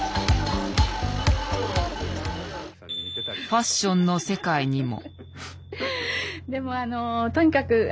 ファッションの世界にも。